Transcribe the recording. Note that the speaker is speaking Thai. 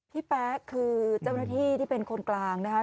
แป๊ะคือเจ้าหน้าที่ที่เป็นคนกลางนะคะ